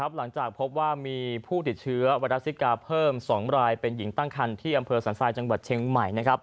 หลังจากพบว่ามีผู้ติดเชื้อไวรัสซิกาเพิ่ม๒รายเป็นหญิงตั้งคันที่อำเภอสันทรายจังหวัดเชียงใหม่